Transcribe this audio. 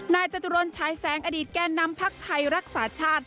จตุรนชายแสงอดีตแก่นำพักไทยรักษาชาติ